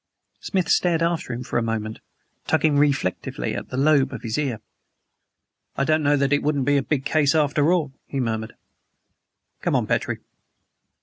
Smith stared after him for a moment, tugging reflectively at the lobe of his ear. "I don't know that it wouldn't be a big case, after all," he murmured. "Come on, Petrie."